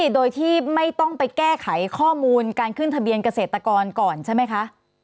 โดยที่ไม่ต้องไปแก้ไขข้อมูลการขึ้นทะเบียนเกษตรกรก่อนใช่ไหมคะ